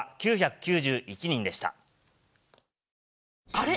あれ？